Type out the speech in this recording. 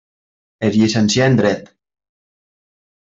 Es llicencià en Dret.